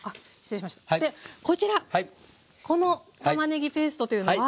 こちらこのたまねぎペーストというのは。